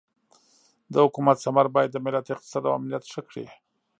د حکومت ثمر باید د ملت اقتصاد او امنیت ښه کړي.